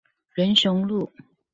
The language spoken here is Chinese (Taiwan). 仁雄路